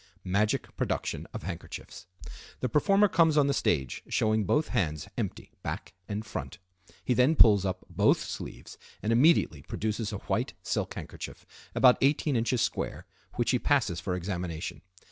Magic Production of Handkerchiefs.—The performer comes on the stage showing both hands empty, back and front. He then pulls up both sleeves and immediately produces a white silk handkerchief, about 18 in. square, which he passes for examination.